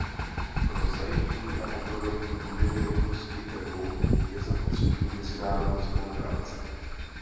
Pro zajištění a obnovení důvěryhodnosti trhů je zapotřebí mezinárodní spolupráce.